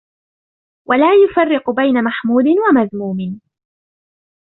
وَلَا يُفَرِّقُ بَيْنَ مَحْمُودٍ وَمَذْمُومٍ